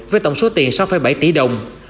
với tổng số tiền sáu bảy tỷ đồng